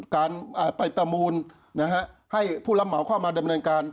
การไปประมูลให้ผู้รับเหมาเข้ามาดำเนินการ